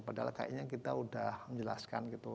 padahal kayaknya kita udah menjelaskan gitu